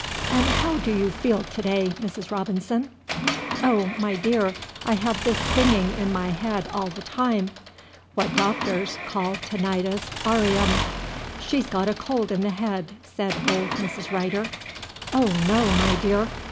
"And how do you feel to day, Mrs. Robinson?" "Oh, my dear, I have this singing in my head all the time." (What doctors call tinnitus aurium.) "She 's got a cold in the head," said old Mrs. Rider. "Oh, no, my dear!